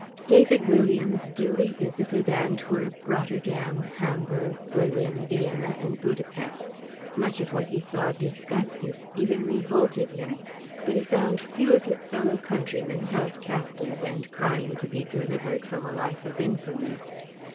David Williams duly visited Antwerp, Rotterdam, Hamburg, Berlin, Vienna, and Buda Pest. Much of what he saw disgusted, even revolted, him, but he found few of his fellow countrywomen held captive and crying to be delivered from a life of infamy.